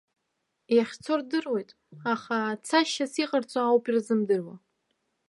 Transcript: Иахьцо рдыруеит, аха цашьас иҟарҵо ауп ирзымдыруа.